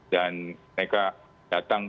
dan mereka datang